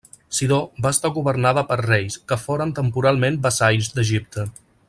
Sidó va estar governada per reis, que foren temporalment vassalls d'Egipte.